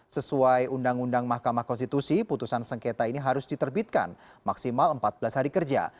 sesuai undang undang mahkamah konstitusi putusan sengketa ini harus diterbitkan maksimal empat belas hari kerja